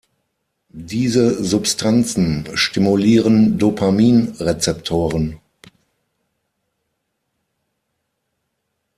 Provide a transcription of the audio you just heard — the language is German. Diese Substanzen stimulieren Dopamin-Rezeptoren.